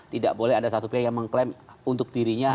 tidak boleh ada satu pihak yang mengklaim untuk dirinya